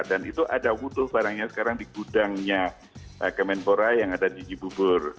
dan itu ada utuh barangnya sekarang di gudangnya kemenpora yang ada di jubur